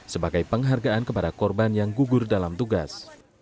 sebagai penghargaan kepada korban yang gugur dalam tugas